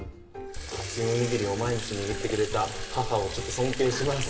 熱いおにぎりを毎日握ってくれた母を尊敬します。